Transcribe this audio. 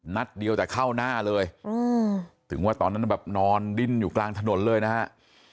นัดเดียวแต่เข้าหน้าเลยถึงว่าตอนนั้นแบบนอนดิ้นอยู่กลางถนนเลยนะฮะ